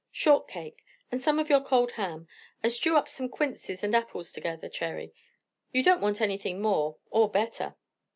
"Shortcake. And some of your cold ham. And stew up some quinces and apples together, Cherry. You don't want anything more, or better."